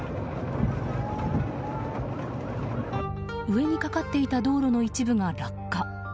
上にかかっていた道路の一部が落下。